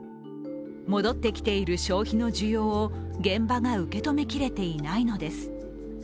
戻ってきている消費の需要を現場が受け止め切れていないのです。